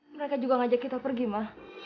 mereka juga ngajak kita pergi mah